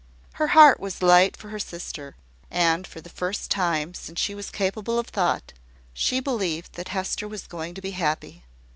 Her heart was light for her sister; and for the first time since she was capable of thought, she believed that Hester was going to be happy.